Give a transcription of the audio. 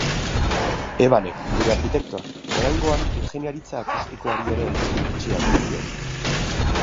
Ebanek, gure arkitektoak, oraingoan ingeniaritza akustikoari ere etekin bitxia atera zion.